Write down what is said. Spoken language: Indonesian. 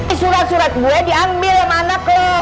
ini surat surat gue diambil sama anak lo